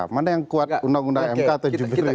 mana yang kuat undang undang mk atau jumlah